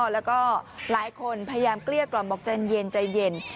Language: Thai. แล้วก็หลายคนพยายามเกลี้ยกล่อมบอกใจเย็นใจเย็น